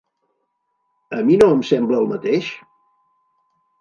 A mi no em sembla el mateix?